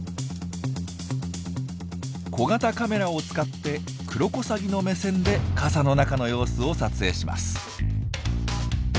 小型カメラを使ってクロコサギの目線で傘の中の様子を撮影します。